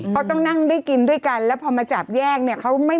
เขาต้องนั่งได้กินด้วยกันแล้วพอมาจับแยกเนี่ย